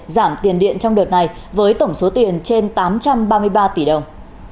giảm tiền điện trong đợt này với tổng số tiền trên tám trăm ba mươi ba tỷ đồng